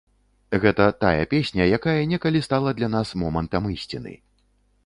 Гэта тая песня, якая некалі стала для нас момантам ісціны.